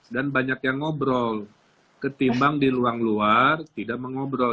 dan banyak yang ngobrol ketimbang di ruang luar tidak mengobrol